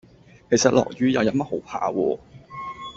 其實落雨又有乜好怕喎